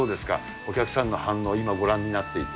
お客さんの反応、今ご覧になっていて。